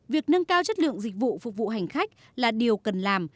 việc nâng cao chất lượng dịch vụ phục vụ hành khách là điều cần làm